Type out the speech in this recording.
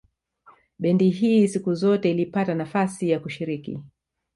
Bendi hii siku zote ilipata nafasi ya kushiriki